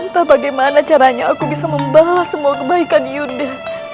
entah bagaimana caranya aku bisa membalas semua kebaikan yuda